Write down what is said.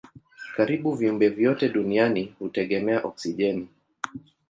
Karibu viumbe vyote duniani hutegemea oksijeni.